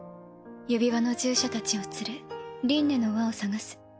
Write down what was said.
指輪の従者たちを連れ輪廻の輪を探す。